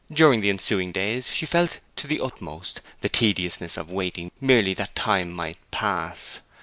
During the ensuing days she felt to the utmost the tediousness of waiting merely that time might pass.